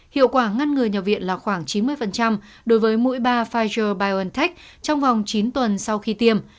hiệu quả ngăn ngừa nhập viện là khoảng chín mươi đối với mũi ba pfizer biontech trong vòng chín tuần sau khi tiêm